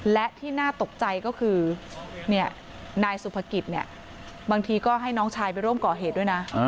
และที่น่าตกใจก็คือนายสุภกิจเนี่ยบางทีก็ให้น้องชายไปร่วมก่อเหตุด้วยนะ